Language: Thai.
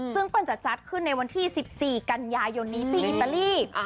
ซึ่งเปิ้ลจะจัดขึ้นในวันที่๑๔กันยายนนี้ที่อิตาลี